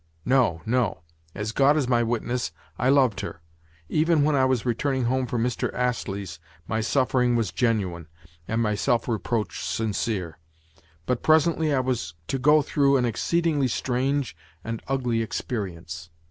No, no! As God is my witness, I loved her! Even when I was returning home from Mr. Astley's my suffering was genuine, and my self reproach sincere. But presently I was to go through an exceedingly strange and ugly experience.